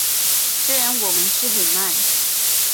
虽然我们吃很慢